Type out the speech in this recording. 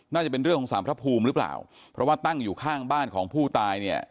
น่าจะเป็นเรื่องของสังพระภูมิหรือกตั้งอยู่ข้างบ้านของผู้ตาย